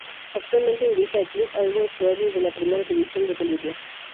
Actualmente dirige al Club Always Ready de la Primera División de Bolivia.